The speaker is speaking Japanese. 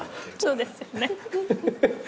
そうですよね。